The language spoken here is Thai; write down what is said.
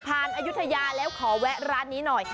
อายุทยาแล้วขอแวะร้านนี้หน่อย